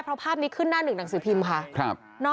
เพราะภาพนี้ขึ้นหน้าหนึ่งหนังสือพิมพ์ค่ะ